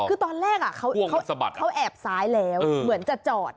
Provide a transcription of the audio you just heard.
คือตอนแรกเขาแอบซ้ายแล้วเหมือนจะจอด